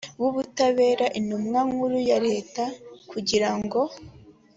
w ubutabera intumwa nkuru ya leta kugira ngo